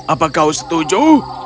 apa kau setuju